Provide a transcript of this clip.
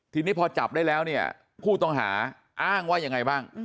ทีนี้พอจับได้แล้วผู้ต้องหาอ้างว่าอย่างไรบ้าง